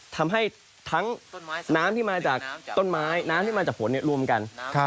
ทำให้ทั้งน้ำที่มาจากต้นไม้น้ำที่มาจากฝนรวมกัน